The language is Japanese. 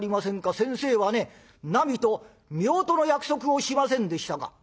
先生はねなみとめおとの約束をしませんでしたか？」。